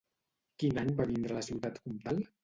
Quin any va vindre a la ciutat comtal?